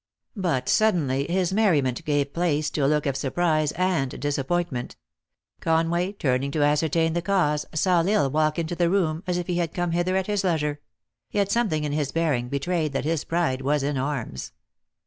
But, suddenly, his merriment gave place to a look of surprise and disappointment. Conway, turning to ascertain the cause, saw L Isle walk into the room as if he had come hither at his leisure ; yet, something in his bearing, betrayed that his pride was in arms.